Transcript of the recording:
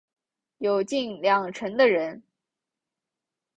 有近两成的人